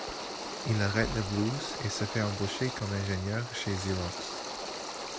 Il arrête le blues, et se fait embaucher comme ingénieur chez Xerox.